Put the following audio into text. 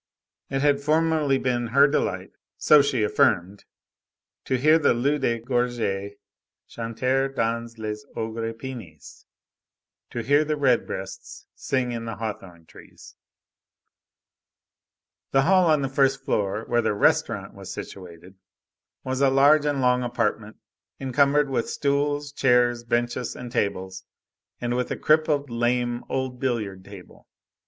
It had formerly been her delight, so she affirmed, to hear the loups de gorge (rouges gorges) chanter dans les ogrepines (aubépines)—to hear the redbreasts sing in the hawthorn trees. The hall on the first floor, where "the restaurant" was situated, was a large and long apartment encumbered with stools, chairs, benches, and tables, and with a crippled, lame, old billiard table.